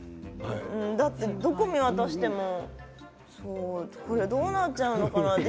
だって、どこ見渡してもどうなっちゃうのかなって。